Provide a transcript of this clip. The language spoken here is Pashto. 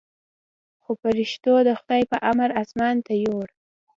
خو پرښتو د خداى په امر اسمان ته يووړ.